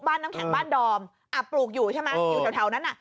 น้ำแข็งบ้านดอมปลูกอยู่ใช่ไหมอยู่แถวนั้นน่ะ